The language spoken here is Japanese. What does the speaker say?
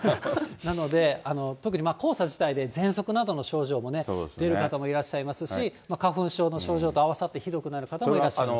なので、特に黄砂自体でぜんそくなどの症状もね、出る方もいらっしゃいますし、花粉症の症状と合わさってひどくなる方もいらっしゃいます。